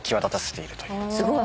すごい。